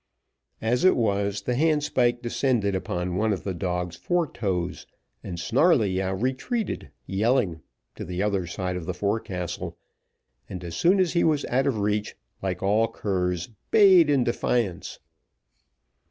As it was, the handspike descended upon one of the dog's fore toes, and Snarleyyow retreated, yelling, to the other side of the forecastle, and as soon as he was out of reach, like all curs, bayed in defiance.